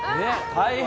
大変。